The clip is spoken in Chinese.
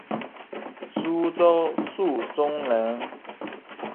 舒州宿松人。